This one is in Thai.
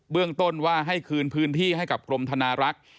เรื่องต้นว่าให้คืนพื้นที่ให้กับกรมธนารักษ์